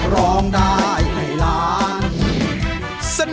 ร้องได้ให้ล้าน